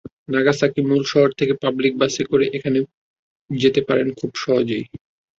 Nagasaki মূল শহর থেকে পাবলিক বাসে করে এখানে যেতে পারেন খুব সহজেই।